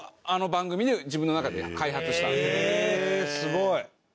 えすごい！